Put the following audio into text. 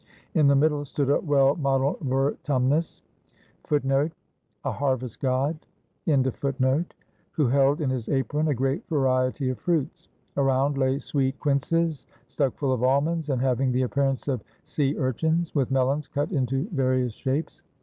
In the middle stood a well modeled Vertumnus,^ who held in his apron a great variety of fruits. Around lay sweet quinces, stuck full of almonds, and having the appearance of sea urchins, with melons cut into various shapes.